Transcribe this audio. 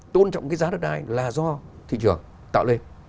tôn trọng cái giá đất đai là do thị trường tạo lên